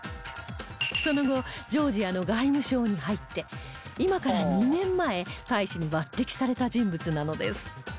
その後ジョージアの外務省に入って今から２年前大使に抜擢された人物なのです